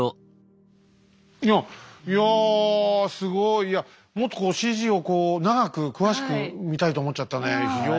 いやもっとこうＣＧをこう長く詳しく見たいと思っちゃったねえ。